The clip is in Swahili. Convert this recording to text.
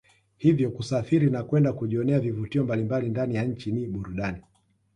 Hivyo kusafiri na kwenda kujionea vivutio mbalimbali ndani ya nchi ni burudani